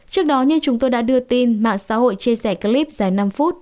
trước đó như chúng tôi đã đưa tin mạng xã hội chia sẻ clip dài năm phút